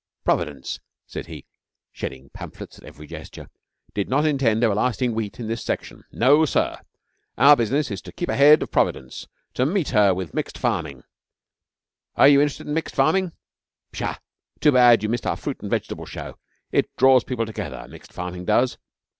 'Providence,' said he, shedding pamphlets at every gesture, 'did not intend everlasting Wheat in this section. No, sir! Our business is to keep ahead of Providence to meet her with mixed farming. Are you interested in mixed farming? Psha! Too bad you missed our fruit and vegetable show. It draws people together, mixed farming does.